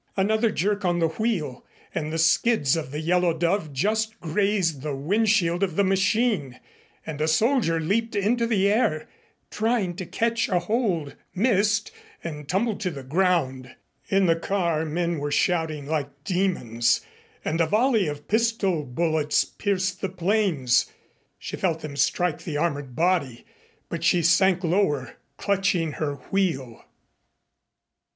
Another jerk on the wheel and the skids of the Yellow Dove just grazed the wind shield of the machine, and a soldier leaped into the air, trying to catch a hold, missed and tumbled to the ground. In the car men were shouting like demons, and a volley of pistol bullets pierced the planes. She felt them strike the armored body, but she sank lower, clutching her wheel.